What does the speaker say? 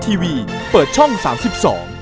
สวัสดีครับ